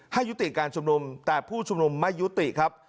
ยุติการชุมนุมแต่ผู้ชุมนุมไม่ยุติครับ